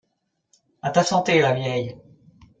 A ta santé, la vieille